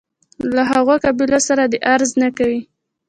له هغو قبایلو سره دې غرض نه کوي.